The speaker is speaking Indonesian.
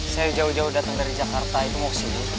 saya jauh jauh dateng dari jakarta itu mau ke sini